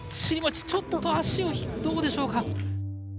ちょっと足をどうでしょうか？